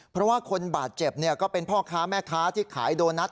เพราะว่าคนบาดเจ็บก็เป็นพ่อค้าแม่ค้าที่ขายโดนัท